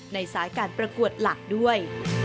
สายการประกวดหลักด้วย